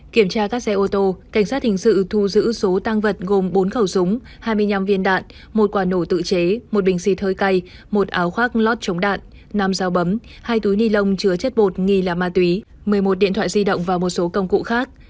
kiểm tra các xe ô tô cảnh sát hình sự thu giữ số tăng vật gồm bốn khẩu súng hai mươi năm viên đạn một quả nổ tự chế một bình xịt hơi cay một áo khoác lót chống đạn năm dao bấm hai túi ni lông chứa chất bột nghi là ma túy một mươi một điện thoại di động và một số công cụ khác